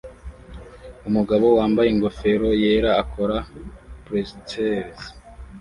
Umugabo wambaye ingofero yera akora pretzels